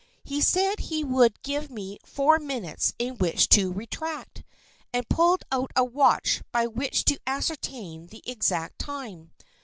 He said he would give me four minutes in which to retract, and pulled out a watch by which to ascertain the exact time.